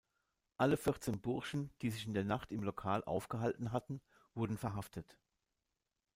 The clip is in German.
Alle vierzehn Burschen, die sich in der Nacht im Lokal aufgehalten hatten, wurden verhaftet.